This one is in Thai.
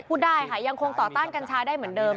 ได้ค่ะยังคงต่อต้านกัญชาได้เหมือนเดิม